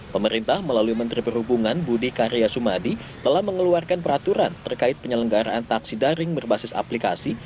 pemerintah melalui menteri perhubungan budi karya sumadi telah mengeluarkan peraturan terkait penyelenggaraan taksi daring berbasis aplikasi